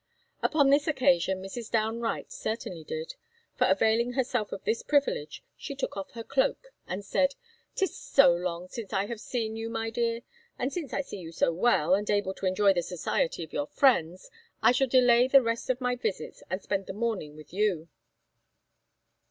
Upon this occasion Mrs. Downe Wright certainly did; for, availing herself of this privilege, she took off her cloak, and said, "'Tis so long since I have seen you, my dear; and since I see you so well, and able to enjoy the society of your friends, I shall delay the rest of my visits, and spend the morning with you."